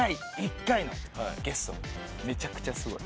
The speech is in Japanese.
めちゃくちゃすごい。